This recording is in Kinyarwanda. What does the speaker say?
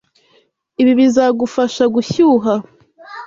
Ibi bizagufasha gushyuha.